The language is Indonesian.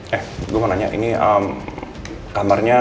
beberapa hutu untuk dipaksa